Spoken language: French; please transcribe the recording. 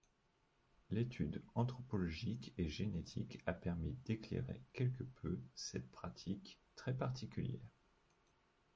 L'étude anthropologique et génétique a permis d'éclairer quelque peu cette pratique très particulière.